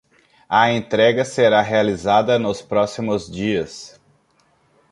A entrega será realizada nos próximos dias